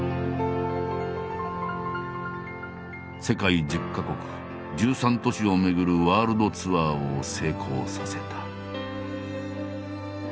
世界１０か国１３都市を巡るワールドツアーを成功させた。